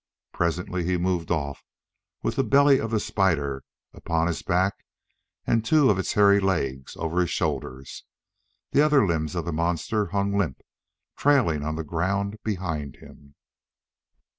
Presently he moved off with the belly of the spider upon his back and two of its hairy legs over his shoulders. The other limbs of the monster hung limp, trailing on the ground behind him.